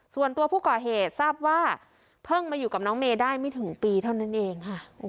ส่วนตัวผู้ก่อเหตุทราบว่าเพิ่งมาอยู่กับน้องเมย์ได้ไม่ถึงปีเท่านั้นเองค่ะ